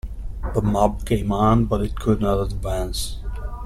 The mob came on, but it could not advance.